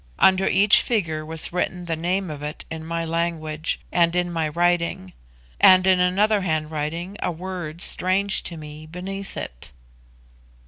Under each figure was written the name of it in my language, and in my writing; and in another handwriting a word strange to me beneath it.